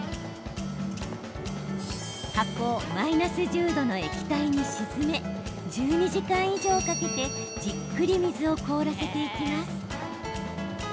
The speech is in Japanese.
箱をマイナス１０度の液体に沈め１２時間以上かけてじっくり水を凍らせていきます。